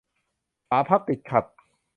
ฝาพับติดขัด